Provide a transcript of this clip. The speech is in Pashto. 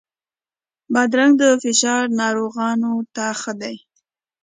بادرنګ د فشار ناروغانو ته ښه دی.